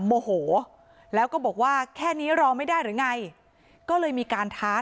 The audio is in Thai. โมโหแล้วก็บอกว่าแค่นี้รอไม่ได้หรือไงก็เลยมีการท้า